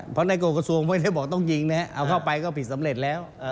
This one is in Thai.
เพราะในโกกระทรวงไม่ได้บอกต้องยิงนะฮะเอาเข้าไปก็ผิดสำเร็จแล้ว